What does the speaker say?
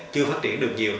chưa phát triển được nhiều